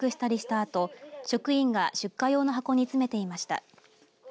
あと職員が出荷用の箱に詰めていました。